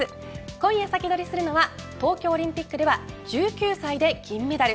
今夜サキドリするのは東京オリンピックでは１９歳で銀メダル。